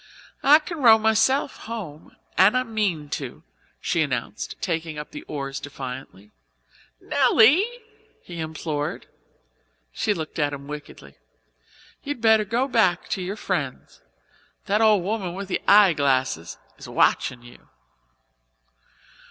"I can row myself home and I mean to," she announced, taking up the oars defiantly. "Nelly," he implored. Nelly looked at him wickedly. "You'd better go back to your friends. That old woman with the eyeglasses is watchin' you."